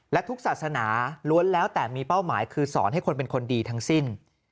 และทุกศาสนาล้วนแล้วแต่มีเป้าหมายคือสอนให้คนเป็นคนดีทั้งสิ้น